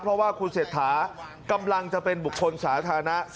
เพราะว่าคุณเศรษฐากำลังจะเป็นบุคคลสาธารณะ